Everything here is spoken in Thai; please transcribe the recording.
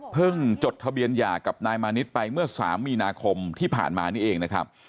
จดทะเบียนหย่ากับนายมานิดไปเมื่อ๓มีนาคมที่ผ่านมานี่เองนะครับ